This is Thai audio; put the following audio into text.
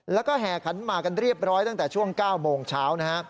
แล้วก็แห่ขันหมากกันเรียบร้อยตั้งแต่ช่วง๙โมงเช้านะฮะ